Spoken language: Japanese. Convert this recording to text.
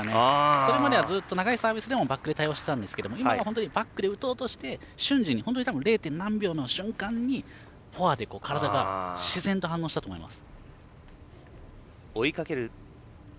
それまではずっと長いサービスでもバックで対応していたんですが今のは本当にバックで打とうとして、瞬時にフォアで体が自然と反応したと思います。